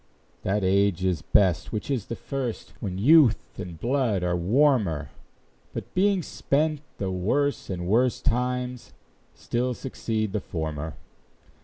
That age is best which is the first, When youth and blood are warmer; But being spent, the worse and worst Times still succeed the former.